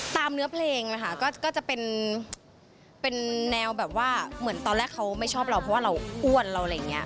เนื้อเพลงนะคะก็จะเป็นแนวแบบว่าเหมือนตอนแรกเขาไม่ชอบเราเพราะว่าเราอ้วนเราอะไรอย่างนี้